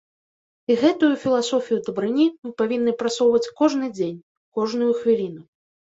І гэтую філасофію дабрыні мы павінны прасоўваць кожны дзень, кожную хвіліну.